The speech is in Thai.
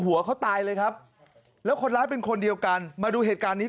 หัวเขาตายเลยครับแล้วคนร้ายเป็นคนเดียวกันมาดูเหตุการณ์นี้